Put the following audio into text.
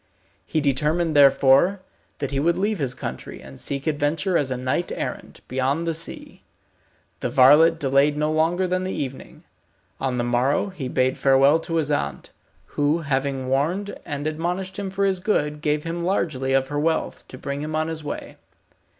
He determined therefore that he would leave his country, and seek adventure as a knight errant, beyond the sea. The varlet delayed no longer than the evening. On the morrow he bade farewell to his aunt, who having warned and admonished him for his good, gave him largely of her wealth, to bring him on his way.